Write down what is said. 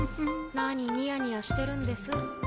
何ニヤニヤしてるんです？